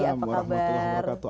waalaikumsalam wr wb